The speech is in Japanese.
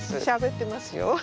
しゃべってますよ。